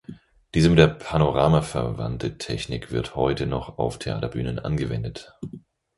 Diese mit dem Panorama verwandte Technik wird heute noch auf Theaterbühnen angewendet.